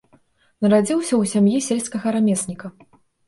Нарадзіўся ў сям'і сельскага рамесніка.